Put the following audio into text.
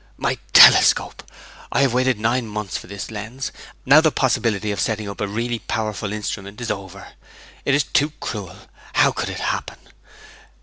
'My telescope! I have waited nine months for this lens. Now the possibility of setting up a really powerful instrument is over! It is too cruel how could it happen!